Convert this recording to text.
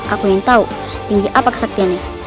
aku ingin tahu setinggi apa kesaktiannya